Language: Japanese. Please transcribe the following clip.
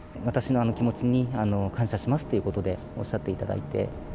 私の気持ちに感謝しますということで、おっしゃっていただいて。